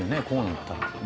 こうなったら。